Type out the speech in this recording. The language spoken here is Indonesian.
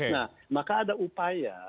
nah maka ada upaya